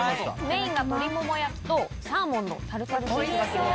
メインが鶏もも焼きとサーモンのタルタルソースかけになります。